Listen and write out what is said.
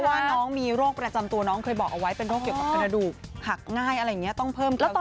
เพราะว่าน้องมีโรคแปลกจำตัวน้องเคยบอกไว้เป็นโรคเกี่ยวกับกระดูกหักง่ายอะไรเงี้ยต้องเพิ่มเกลาเทียม